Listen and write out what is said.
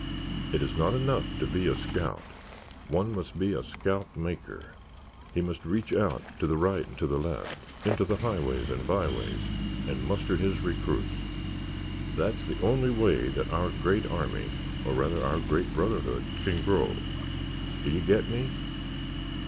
It is not enough to be a scout—one must be a scout maker. He must reach out to the right and to the left—into the highways and byways—and muster his recruits. That is the only way that our great army—or rather, our great brotherhood—can grow. Do you get me?"